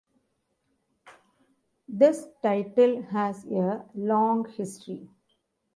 This title has a long history.